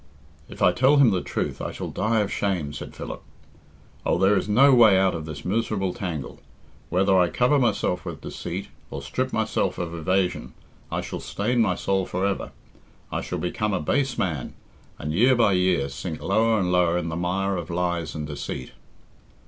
"If I tell him the truth, I shall die of shame," said Philip. "Oh, there is no way out of this miserable tangle. Whether I cover myself with deceit, or strip myself of evasion, I shall stain my soul for ever. I shall become a base man, and year by year sink lower and lower in the mire of lies and deceit."